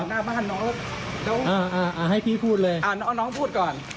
หน้าบ้านน้องอ่าอ่าอ่าให้พี่พูดเลยอ่าน้องพูดก่อน